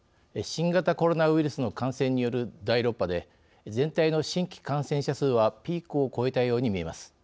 新型コロナウイルスの感染による第６波で全体の新規感染者数はピークを越えたように見えます。